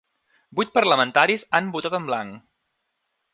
Vuit parlamentaris han votat en blanc.